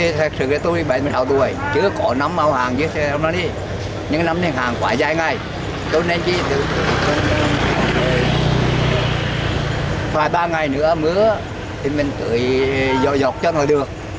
thật sự tôi bảy mươi sáu tuổi chưa có năm hồ hàng như thế này nhưng năm hồ hàng quá dài ngày cho nên chỉ ba ngày nữa mưa thì mình tưới dọ dọc cho nó được